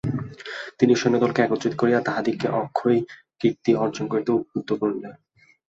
তিনি সৈন্যদলকে একত্রিত করিয়া তাহাদিগকে অক্ষয় কীতি অর্জন করিতে উদ্বুদ্ধ করিলেন।